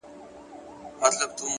د نیت صفا عمل ته وزن ورکوي’